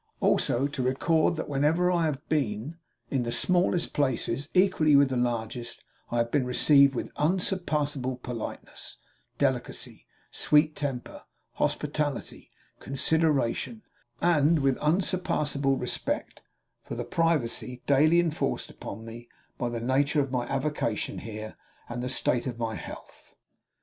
Also, to record that wherever I have been, in the smallest places equally with the largest, I have been received with unsurpassable politeness, delicacy, sweet temper, hospitality, consideration, and with unsurpassable respect for the privacy daily enforced upon me by the nature of my avocation here and the state of my health.